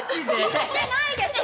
言ってないでしょ！